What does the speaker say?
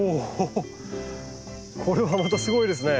これはまたすごいですね。